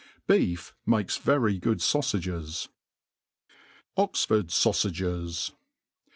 Beef makes utiy good faufages. Oxford Saufages.